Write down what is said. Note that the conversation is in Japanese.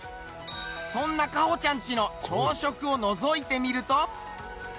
そんな花歩ちゃんちの朝食をのぞいてみると。